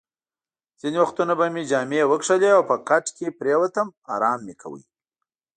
ځینې وختونه به مې جامې وکښلې او په کټ کې پرېوتم، ارام مې کاوه.